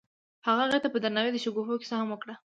هغه هغې ته په درناوي د شګوفه کیسه هم وکړه.